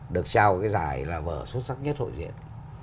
được trao cái giải là vở xuất sắc nhất hội diễn